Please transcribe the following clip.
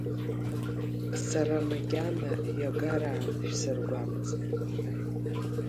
Сара макьана иагараан шәсыргәамҵып…